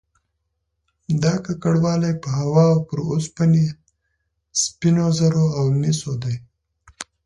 دا ککړوالی په هوا او پر اوسپنې، سپینو زرو او مسو دی